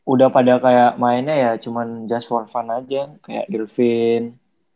udah pada kayak mainnya ya cuma just for fun aja kayak gilvin